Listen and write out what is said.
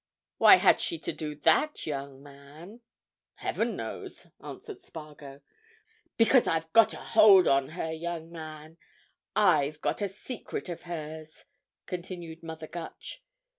Why had she to do that, young man?" "Heaven knows!" answered Spargo. "Because I've got a hold on her, young man—I've got a secret of hers," continued Mother Gutch.